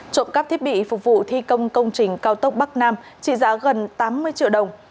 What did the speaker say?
trộm cắp thiết bị phục vụ thi công công trình cao tốc bắc nam trị giá gần tám mươi triệu đồng